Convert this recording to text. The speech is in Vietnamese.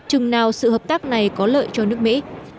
chừng nào sự hợp tác này có lợi cho nước mỹ